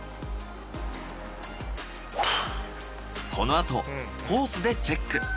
このあとコースでチェック。